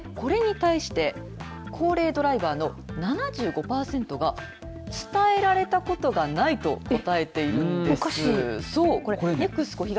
これに対して高齢ドライバーの７５パーセントが伝えられたことがないとおかしい。